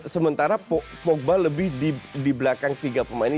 sementara pogba lebih di belakang tiga pemain